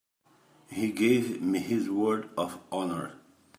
He gave me his word of honor.